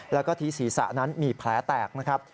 แล้วก็ที่ศีรษะนั้นมีแผลแตกนะครับ